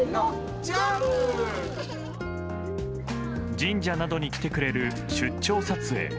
神社などに来てくれる出張撮影。